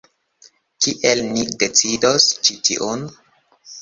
Kiel ni decidos ĉi tiun?